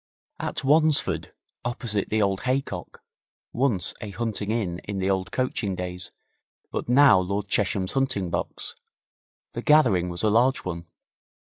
At Wansford, opposite the old Haycock, once a hunting inn in the old coaching days, but now Lord Chesham's hunting box, the gathering was a large one.